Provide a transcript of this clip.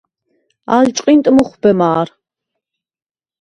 ალ ჭყინტ მუხვბე მა̄რ.